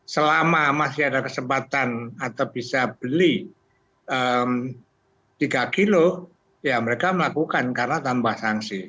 selama masih ada kesempatan atau bisa beli tiga kilo ya mereka melakukan karena tanpa sanksi